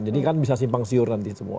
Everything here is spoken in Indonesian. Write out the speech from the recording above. kan bisa simpang siur nanti semua